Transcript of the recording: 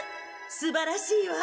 すばらしいわ！